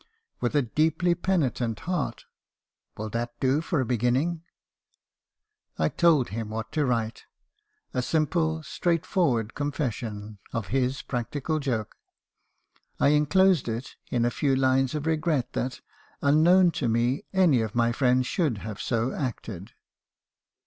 "With a deeply penitent heart —" will that do for a begin ning?' " I told him what to write ; a simple , straightforward con fession, of his practical joke. I enclosed it in a few lines of regret that, unknown to me, any of my friends should have so acted."